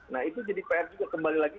nah itu jadi pr juga kembali lagi